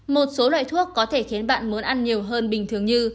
một số loại thuốc có thể khiến bạn muốn ăn nhiều hơn bình thường như